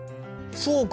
そうか。